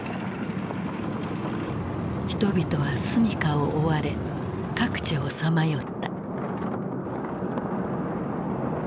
人々は住みかを追われ各地をさまよった。